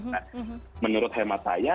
nah menurut hemat saya